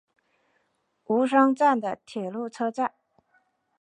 吾桑站的铁路车站。